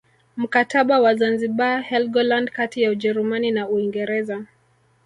Mkataba wa Zanzibar Helgoland kati ya Ujerumani na Uingereza